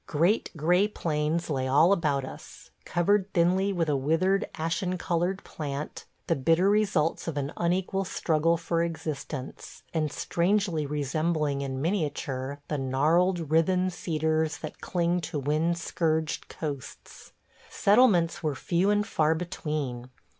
... Great gray plains lay all about us, covered thinly with a withered, ashen colored plant; the bitter results of an unequal struggle for existence, and strangely resembling in miniature the gnarled, writhen cedars that cling to wind scourged coasts. Settlements were few and far between.